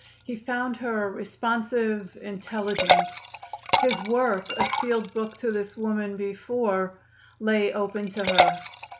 He found her responsive, intelligent. His work, a sealed book to his women before, lay open to her.